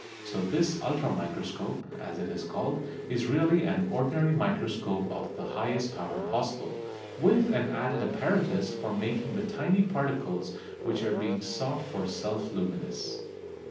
So this ultra microscope, as it is called, is really an ordinary microscope of the highest power possible, with an added apparatus for making the tiny particles which are being sought for self luminous.